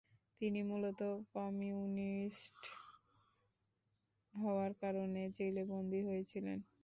তিনি মূলত কমিউনিস্ট হওয়ার কারণে জেলে বন্দী হয়েছিলেন।